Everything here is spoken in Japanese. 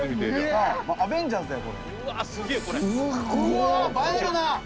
うわ映えるな！